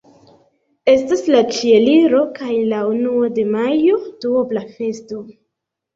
Estas la Ĉieliro kaj la unua de majo: duobla festo.